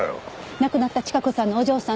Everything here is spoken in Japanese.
亡くなった千加子さんのお嬢さん